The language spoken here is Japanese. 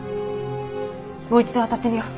もう一度あたってみよう。